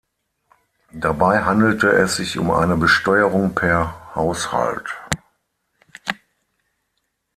Dabei handelte es sich um eine Besteuerung per Haushalt.